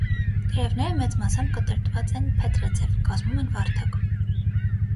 Տերևները մեծ մասամբ կտրտված են փետրաձև, կազմում են վարդակ։